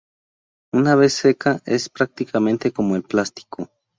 Una vez seca es prácticamente como el plástico.